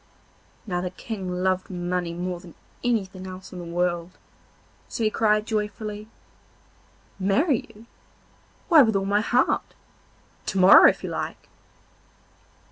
Now the King loved money more than anything else in the world, so he cried joyfully: 'Marry you? why with all my heart! to morrow if you like.